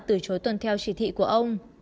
từ chối tuần theo